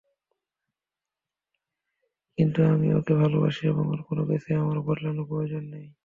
কিন্ত আমি ওকে ভালোবাসি এবং ওর কোনোকিছুই আমার বদলানোর প্রয়োজন নেই।